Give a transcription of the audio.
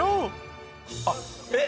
あっえっ！